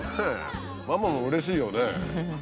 ママもうれしいよね。